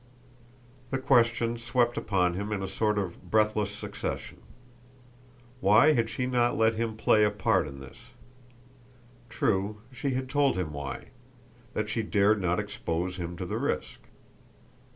The questions swept upon him in a sort of breathless succession. Why had she not let him play a part in this? True, she had told him why that she dared not expose him to the risk.